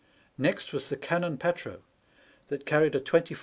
Next was the cannon petro, that carried a 24 lb.